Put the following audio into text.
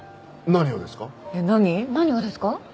何をですか？